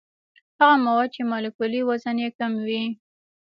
هغه مواد چې مالیکولي وزن یې کم وي.